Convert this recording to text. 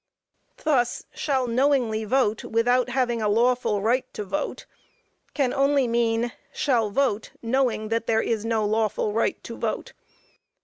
Thus, "shall knowingly vote without having a lawful right to vote," can only mean, shall vote knowing that there is no lawful right to vote.